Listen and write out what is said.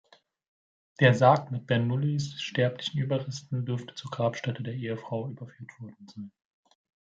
Der Sarg mit Bernoullis sterblichen Überresten dürfte zur Grabstätte der Ehefrau überführt worden sein.